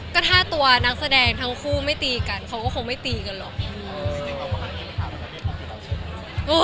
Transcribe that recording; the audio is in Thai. ก็ถ้าตัวนักแสดงทั้งคู่ไม่ตีกันเขาก็คงไม่ตีกันหรอก